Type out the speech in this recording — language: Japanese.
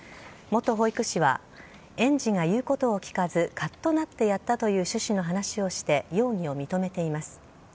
元保育士は園児が言う事を聞かずかっとなってやったという趣旨の話をして容疑を認めています。